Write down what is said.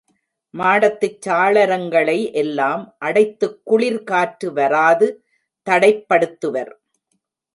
மாடத்துச் சாளரங்களை எல்லாம் அடைத்துக் குளிர் காற்று வராது தடைப் படுத்துவர்.